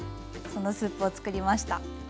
そのスープを作りました。